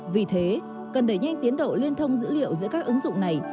vì thế cần đẩy nhanh tiến độ liên thông dữ liệu giữa các ứng dụng này